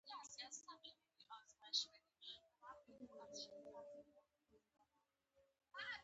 زما شپه د پښتو ژبې قرباني شوه.